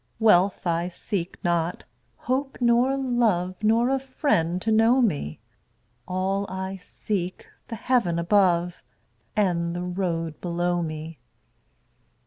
Wealth I seek not, hope nor love, Nor a friend to know me; All I seek, the heaven above And the road below me.